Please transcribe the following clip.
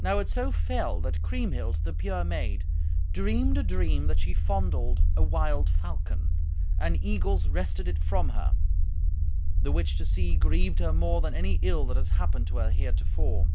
Now it so fell that Kriemhild, the pure maid, dreamed a dream that she fondled a wild falcon, and eagles wrested it from her; the which to see grieved her more than any ill that had happened to her heretofore.